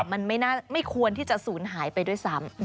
มันไม่ควรที่จะศูนย์หายไปด้วยซ้ำ